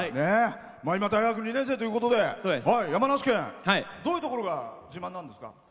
今、大学２年生ということで山梨県、どういうところが自慢なんですか？